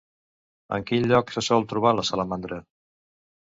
A quin lloc se sol trobar la salamandra?